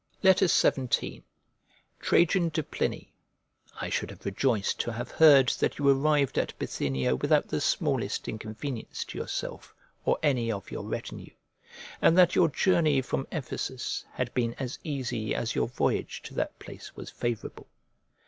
XVII TRAJAN TO PLINY I SHOULD have rejoiced to have heard that you arrived at Bithynia without the smallest inconvenience to yourself or any of your retinue, and that your journey from Ephesus had been as easy as your voyage to that place was favourable.